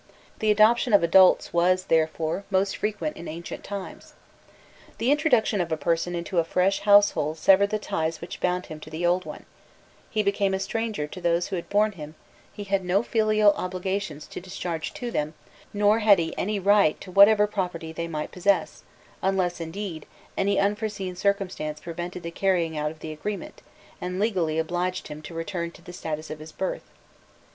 The adoption of adults was, therefore, most frequent in ancient times. The introduction of a person into a fresh household severed the ties which bound him to the old one; he became a stranger to those who had borne him; he had no filial obligations to discharge to them, nor had he any right to whatever property they might possess, unless, indeed, any unforeseen circumstance prevented the carrying out of the agreement, and legally obliged him to return to the status of his birth.